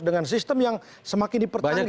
dengan sistem yang semakin dipertanggih sekarang